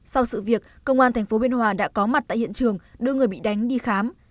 sau sự việc công an tp biên hòa đã có mặt tại hiện trường đưa người bị đánh đi khám